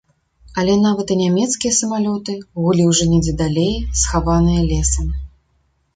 Але нават і нямецкія самалёты гулі ўжо недзе далей, схаваныя лесам.